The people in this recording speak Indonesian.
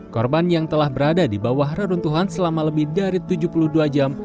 korban yang telah berada di bawah reruntuhan selama lebih dari tujuh puluh dua jam